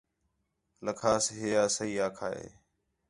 لَکھاس ہِیا سہی آکھا ہِے